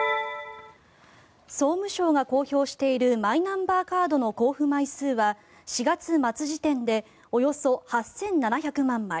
総務省が公表しているマイナンバーカードの交付枚数は４月末時点でおよそ８７００万枚。